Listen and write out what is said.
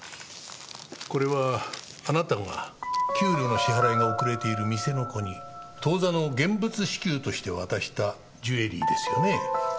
これはあなたが給料の支払いが遅れている店の子に当座の現物支給として渡したジュエリーですよね。